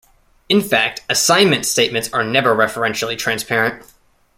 In fact, assignment statements are never referentially transparent.